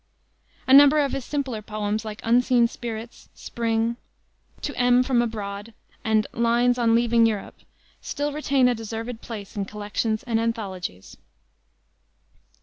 A number of his simpler poems, like Unseen Spirits, Spring, To M from Abroad, and Lines on Leaving Europe, still retain a deserved place in collections and anthologies.